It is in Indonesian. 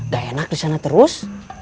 gak enak disana terus